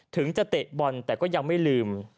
ถึงจะเตะบอลแต่ก็ยังไม่ลืม